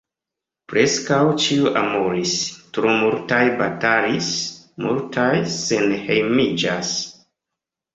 Preskaŭ ĉiuj amoris, tro multaj batalis, multaj senhejmiĝas.